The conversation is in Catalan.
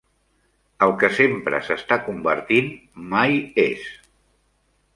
El que sempre s'està convertint, mai és